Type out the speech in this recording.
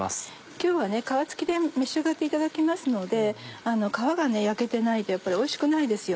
今日は皮付きで召し上がっていただきますので皮が焼けてないとやっぱりおいしくないですよね。